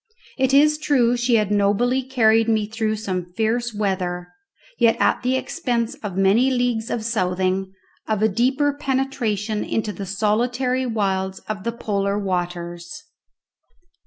It is true she had nobly carried me through some fierce weather, yet at the expense of many leagues of southing, of a deeper penetration into the solitary wilds of the polar waters.